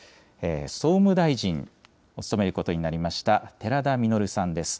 総務大臣を務めることになりました、寺田稔さんです。